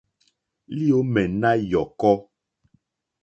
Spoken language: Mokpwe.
Lyǒmɛ̀ nà yɔ̀kɔ́.